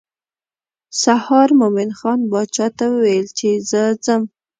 سهار مومن خان باچا ته وویل چې زه ځم.